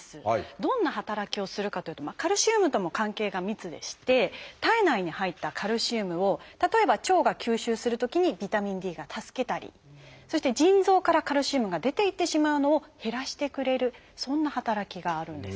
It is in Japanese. どんな働きをするかというとカルシウムとも関係が密でして体内に入ったカルシウムを例えば腸が吸収するときにビタミンＤが助けたりそして腎臓からカルシウムが出ていってしまうのを減らしてくれるそんな働きがあるんです。